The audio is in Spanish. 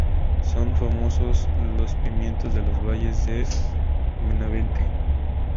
Son famosos los pimientos de los valles de Benavente.